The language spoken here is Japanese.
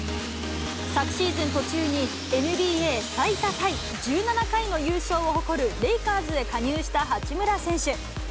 昨シーズン途中に、ＮＢＡ最多タイ１７回の優勝を誇るレイカーズへ加入した八村選手。